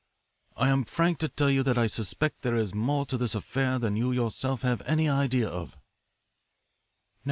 I am frank to tell you that I suspect there is more to this affair than you yourself have any idea of."